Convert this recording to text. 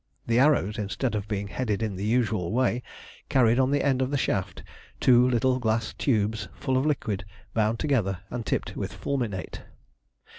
The arrows, instead of being headed in the usual way, carried on the end of the shaft two little glass tubes full of liquid, bound together, and tipped with fulminate.